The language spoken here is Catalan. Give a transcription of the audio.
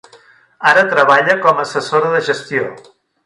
Ara treballa com a assessora de gestió.